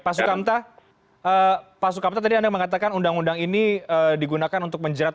pak sukamta pak sukamta tadi anda mengatakan undang undang ini digunakan untuk menjerat